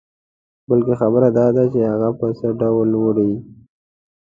بلکې خبره داده چې هغه په څه ډول وړې.